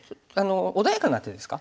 穏やかな手ですか？